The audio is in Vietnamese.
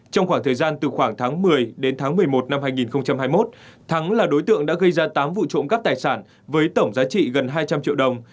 trong khoảng thời gian từ khoảng tháng một mươi đến tháng một mươi một năm hai nghìn hai mươi một thắng là đối tượng đã gây ra tám vụ trộm cắp tài sản với tổng giá trị gần hai trăm linh triệu đồng